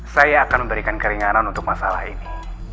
saya akan memberikan keringanan untuk masalah ini